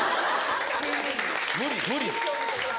無理無理。